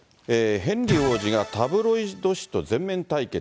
ヘンリー王子がタブロイド紙と全面対決。